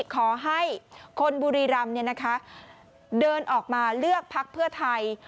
ขอให้คนบุรีรำเดินออกมาเลือกพักเพื่อไทย